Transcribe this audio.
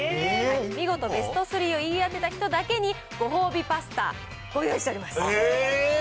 見事ベスト３を言い当てた人だけに、ご褒美パスタ、ご用意しておえー。